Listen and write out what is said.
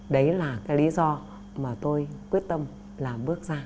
đấy là cái lý do mà tôi quyết tâm là bước ra